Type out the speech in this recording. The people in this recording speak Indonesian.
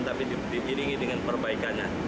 tapi diiringi dengan perbaikannya